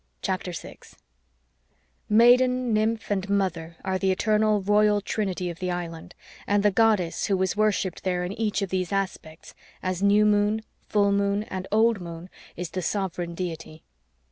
CHAPTER 6 Maiden, Nymph, and Mother are the eternal royal Trinity of the island, and the Goddess, who is worshipped there in each of these aspects, as New Moon, Full Moon, and Old Moon, is the sovereign Deity.